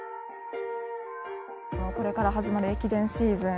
これから始まる駅伝シーズン